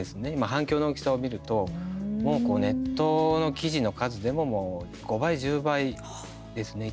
反響の大きさを見るともうネットの記事の数でも５倍、１０倍ですね。